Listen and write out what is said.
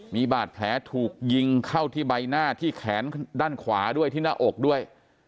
มีบาดแผลถูกยิงเข้าที่ใบหน้าที่แขนด้านขวาด้วยที่หน้าอกด้วย